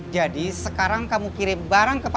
jadi sekarang kamu kirim barang ke rumah